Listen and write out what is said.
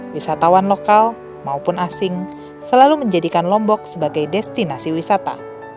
wisatawan lokal maupun asing selalu menjadikan lombok sebagai destinasi wisata